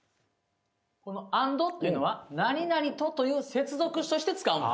このａｎｄっていうのは「何々と」という接続詞として使うんだ。